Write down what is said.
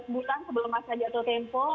dua belas bulan sebelum saja jatuh tempo